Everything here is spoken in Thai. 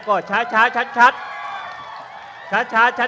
คุณจิลายุเขาบอกว่ามันควรทำงานร่วมกัน